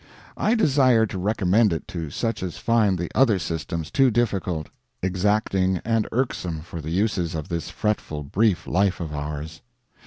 I desire to recommend it to such as find the other systems too difficult, exacting, and irksome for the uses of this fretful brief life of ours.